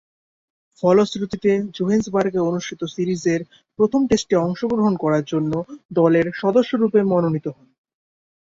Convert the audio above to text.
ফলশ্রুতিতে, জোহেন্সবার্গে অনুষ্ঠিত সিরিজের প্রথম টেস্টে অংশগ্রহণ করার জন্য দলের সদস্যরূপে মনোনীত হন।